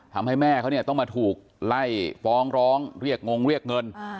ทำให้แม่เขาเนี่ยต้องมาถูกไล่ฟ้องร้องเรียกงงเรียกเงิน